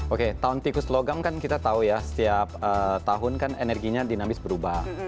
oke tahun tikus logam kan kita tahu ya setiap tahun kan energinya dinamis berubah